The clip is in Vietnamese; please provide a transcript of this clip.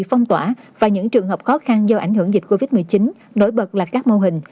phong tỏa và những trường hợp khó khăn do ảnh hưởng dịch covid một mươi chín nổi bật là các mô hình